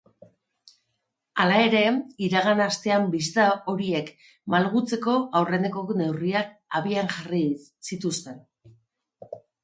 Hala ere, iragan astean bisita horiek malgutzeko aurreneko neurriak abian jarri zituzten.